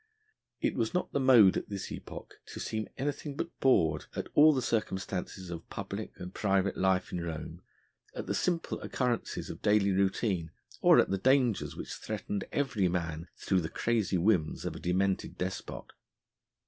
It was not the mode at this epoch to seem anything but bored at all the circumstances of public and private life in Rome, at the simple occurrences of daily routine or at the dangers which threatened every man through the crazy whims of a demented despot.